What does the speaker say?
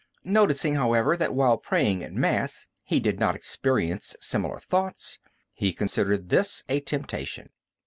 Noticing, however, that while praying at Mass he did not experience similar thoughts, he considered this a temptation.